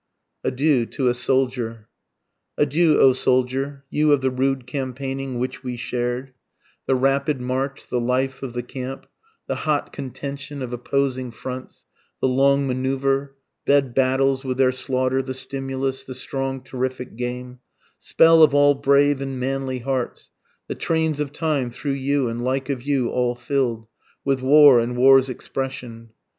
ADIEU TO A SOLDIER. Adieu O soldier, You of the rude campaigning, (which we shared,) The rapid march, the life of the camp, The hot contention of opposing fronts, the long manoeuvre, Bed battles with their slaughter, the stimulus, the strong, terrific game, Spell of all brave and manly hearts, the trains of time through you and like of you all fill'd, With war and war's expression.